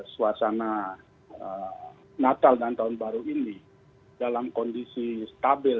suasana natal dan tahun baru ini dalam kondisi stabil